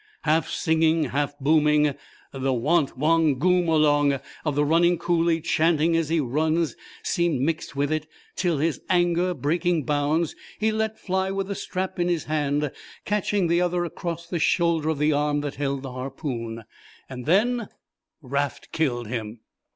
Half singing, half booming, the "whant whong goom along" of the running coolie chanting as he runs seemed mixed with it, till, his anger breaking bounds, he let fly with the strap in his hand, catching the other across the shoulder of the arm that held the harpoon. Then Raft killed him.